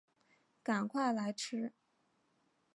赶快来吃